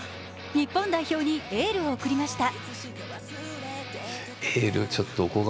日本代表にエールを送りました。